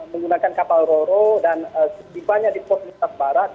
menggunakan kapal roro dan setidaknya di pos lintas barat